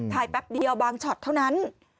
ถ่ายแป๊บเดียวกว่าบางช็อตเท่านั้น